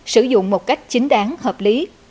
sử dụng một cách chính đáng hợp lý